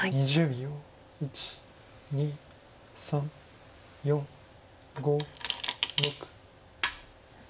１２３４５６。